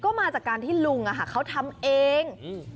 ก็มาจากการที่ลุงเขาทำเอง